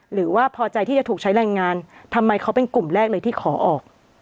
หรือว่าพอใจที่จะถูกใช้แรงงานทำไมเขาเป็นกลุ่มแรกเลยที่ขอออก